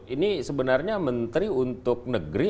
ini sebenarnya menteri untuk negeri